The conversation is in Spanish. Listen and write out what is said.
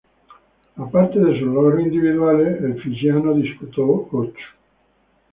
Aparte de sus logros individuales, el fiyiano disputó ocho?